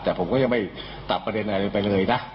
แต่ผมก็ยังไม่ตัดประเด็นอะไรไปเลยนะ